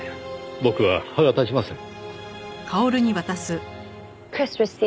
僕は歯が立ちません。